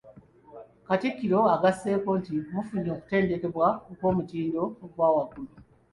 Katikkiro agasseeko nti “mufunye okutendekebwa okw'omutindo ogwa waggulu"